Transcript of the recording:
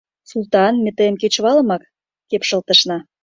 — Султан, ме тыйым кечывалымак кепшылтышна.